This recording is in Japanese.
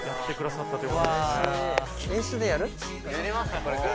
やりますかこれから。